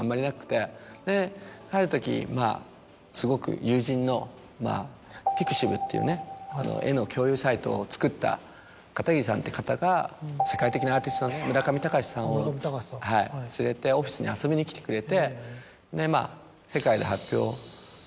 であるときすごく友人のピクシブっていう絵の共有サイトを作った片桐さんって方が世界的なアーティストの村上隆さんを連れてオフィスに遊びに来てくれて。